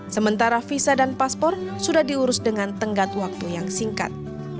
sementara visa dan paspor sudah diurus dengan tenggat waktu yang singkat